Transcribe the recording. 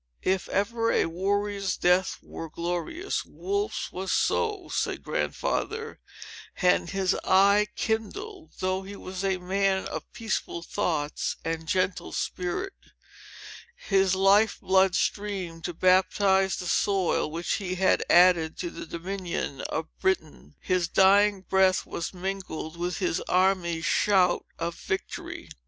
"If ever a warrior's death were glorious, Wolfe's was so!" said Grandfather; and his eye kindled, though he was a man of peaceful thoughts, and gentle spirit. "His life blood streamed to baptize the soil which he had added to the dominion of Britain! His dying breath was mingled with his army's shout of victory!"